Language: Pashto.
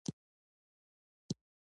هغه سانتیاګو ته باطني طلا ورپېژني.